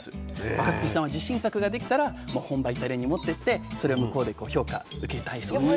若月さんは自信作ができたら本場イタリアに持ってってそれ向こうで評価受けたいそうです。